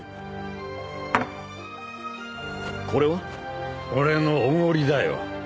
これは？俺のおごりだよ。